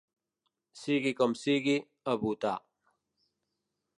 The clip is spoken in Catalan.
Sigui com sigui, a votar.